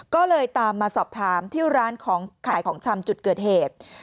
ก็เลยตามมาสอบถามที่ร้านของขายของชำจุดเกิดเหตุ